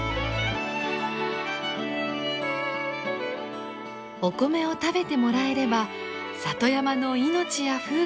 お米を食べてもらえれば里山の命や風景も守られるのです。